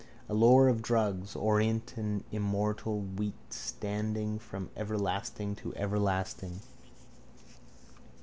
A lore of drugs. Orient and immortal wheat standing from everlasting to everlasting.